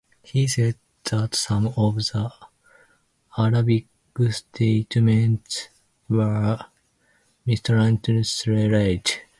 He said that some of the Arabic statements were mistranslated.